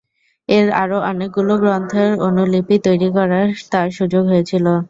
এর আরো অনেকগুলো গ্রন্থের অনুলিপি তৈরি করারও তার সুযোগ হয়েছিলো।